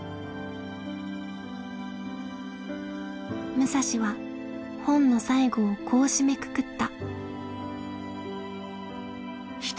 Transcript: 武蔵は本の最後をこう締めくくった。